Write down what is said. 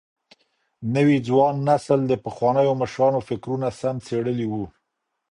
نوي ځوان نسل د پخوانيو مشرانو فکرونه سم څېړلي وو.